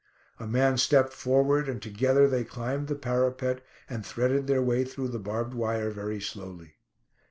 A man stepped forward, and together they climbed the parapet, and threaded their way through the barbed wire very slowly.